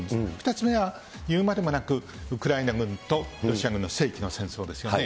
２つ目は、言うまでもなく、ウクライナ軍とロシア軍の世紀の戦闘ですよね。